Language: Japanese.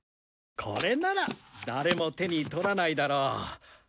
これなら誰も手に取らないだろう。